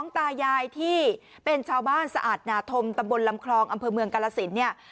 ตายายที่เป็นชาวบ้านสะอาดนาธมตำบลลำคลองอำเภอเมืองกาลสินเนี่ย